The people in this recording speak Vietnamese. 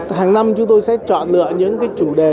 hàng năm chúng tôi sẽ chọn lựa những cái chủ đề